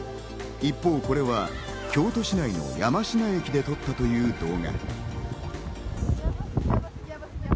一方、これは京都市内の山科駅で撮ったという動画。